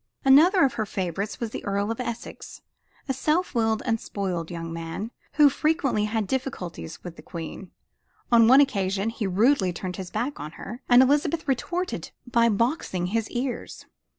Another of her favorites was the Earl of Essex, a self willed and spoiled young man, who frequently had difficulties with the Queen. On one occasion he rudely turned his back on her, and Elizabeth retorted by boxing his ears.